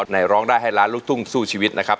ในร้องได้ให้ล้านลูกทุ่งสู้ชีวิตนะครับ